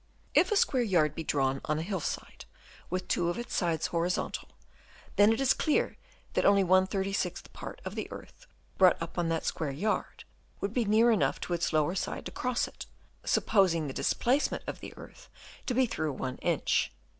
If a square yard be drawn on a hill side with two of its sides horizontal, then it is clear that only ^ part of the earth brought up on that square yard would be near enough to its lower side to cross it, supposing the displacement of the earth to be through one inch.